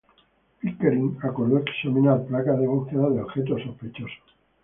Pickering acordó examinar placas en búsqueda de objetos sospechosos.